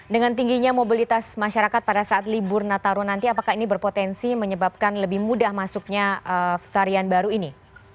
dengan tingginya mobilitas masyarakat pada saat libur nataru nanti apakah ini berpotensi menyebabkan lebih mudah masuknya varian baru ini